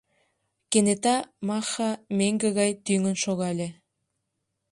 Кенета Маха меҥге гай тӱҥын шогале.